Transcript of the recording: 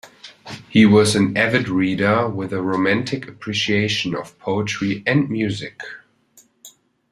He was an avid reader with a romantic appreciation of poetry and music.